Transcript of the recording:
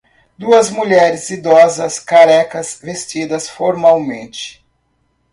Duas mulheres idosas carecas vestidas formalmente